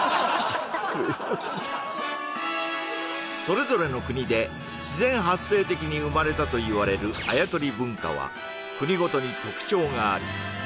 ちょっとそれぞれの国で自然発生的に生まれたといわれるあやとり文化は国ごとに特徴があり